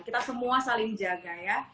kita semua saling jaga ya